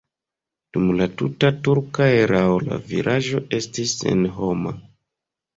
Dum la tuta turka erao la vilaĝo estis senhoma.